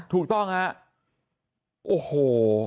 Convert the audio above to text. ถูกต้องฮะโอ้โห